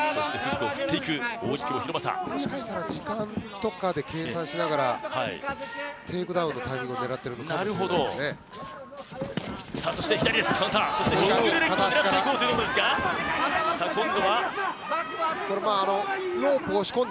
もしかしたら時間とかで計算しながらテイクダウンのタイミングを狙っているかもしれません。